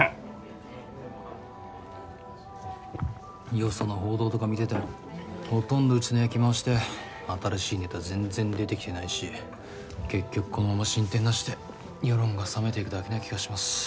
よその報道とか見ててもほとんどうちの焼き回しで新しいネタ全然出てきてないし結局このまま進展なしで世論が冷めていくだけな気がします。